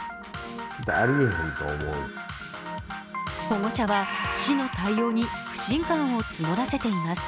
保護者は市の対応に不信感を募らせています。